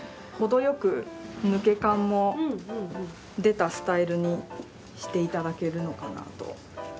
程よく抜け感も出たスタイルにしていただけるのかなと。